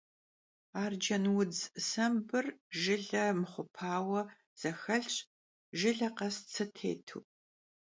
Arcenudz sembır jjıle mıxhupaue zexelhş, jjıle khes tsı têtu.